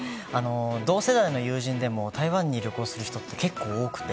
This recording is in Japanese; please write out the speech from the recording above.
同世代の友人でも台湾に旅行する人って結構多くて。